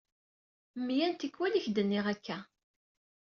Mya n tikwal i k-d-nniɣ akka.